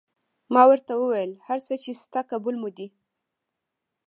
ما ورته وویل: هر څه چې شته قبول مو دي.